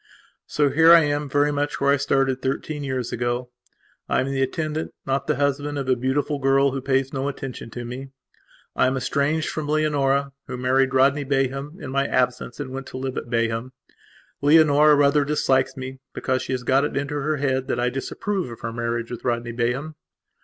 So here I am very much where I started thirteen years ago. I am the attendant, not the husband, of a beautiful girl, who pays no attention to me. I am estranged from Leonora, who married Rodney Bayham in my absence and went to live at Bayham. Leonora rather dislikes me, because she has got it into her head that I disapprove of her marriage with Rodney Bayham.